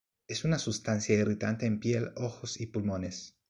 Es una sustancia irritante en piel, ojos y pulmones.